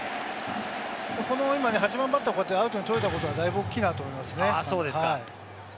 この今、８番バッター、アウトが取れたことで、だいぶ大きいなと思いますね。